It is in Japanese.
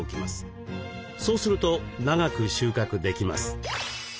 そうすると長く収穫できます。